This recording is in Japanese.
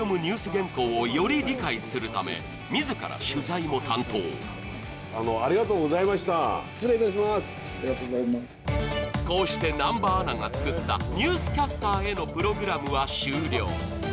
原稿をより理解するため、自ら取材も担当こうして南波アナが作ったニュースキャスターへのプログラムは終了。